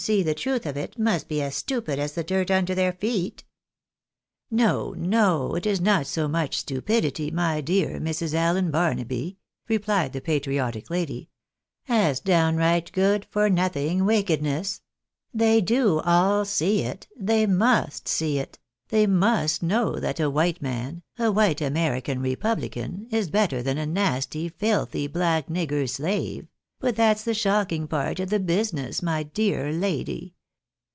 see the truth of it, must be as stupid as the dirt under their feet !"" No, no ; it is not so much stupidity, my dear Mrs. Allen Barnaby," replied the patriotic lady, "as downright good for nothing wickedness — they do all see it — they must see it — they MUST know that a white man, a white American republican, is better than a nasty, filthy, black nigger slave— but that's the shocking part of the business, my dear lady.